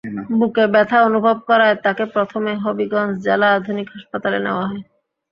বুকে ব্যথা অনুভব করায় তাঁকে প্রথমে হবিগঞ্জ জেলা আধুনিক হাসপাতালে নেওয়া হয়।